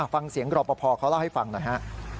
ฟังเสียงรอบปภเขาเล่าให้ฟังหน่อยฮะ